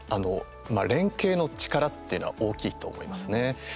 連携の力っていうのは大きいと思いますね。